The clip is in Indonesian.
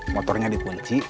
motornya di kunci